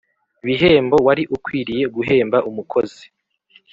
bihembo wari ukwiriye guhemba umukozi